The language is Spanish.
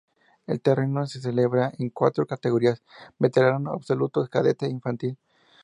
El torneo se celebra en cuatro categorías: veterano, absoluto, cadete e infantil.